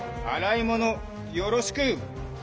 あらいものよろしく！